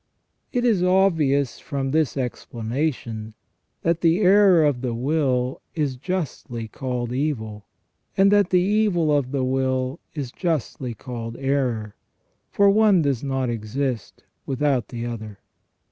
It is obvious from this explanation, that the error of the will is justly called evilj and that the evil of the will is justly called error, for one does not exist without the other.